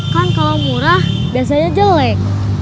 kan kalau murah biasanya jelek